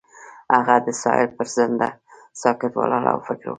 هغه د ساحل پر څنډه ساکت ولاړ او فکر وکړ.